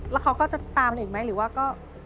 แล้วเขาก็จะตามอีกไหมหรือว่าก็